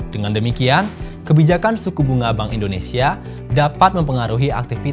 dengan demikian kebijakan suku bunga bank indonesia dapat mempengaruhi aktivitas